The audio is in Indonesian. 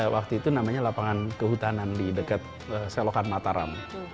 waktu itu namanya lapangan kehutanan di dekat selokan mataram